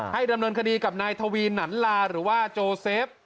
ดำเนินคดีกับนายทวีหนันลาหรือว่าโจเซฟ